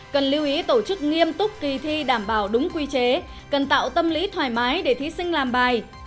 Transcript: cần lưu ý tổ chức nghiêm túc kỳ thi đảm bảo đúng quy chế cần tạo tâm lý thoải mái để thí sinh làm bài